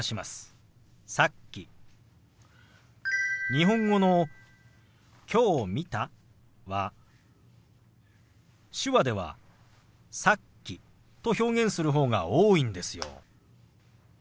日本語の「きょう見た」は手話では「さっき」と表現する方が多いんですよ。